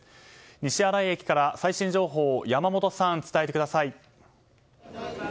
西新井駅から最新情報を山本さん、伝えてください。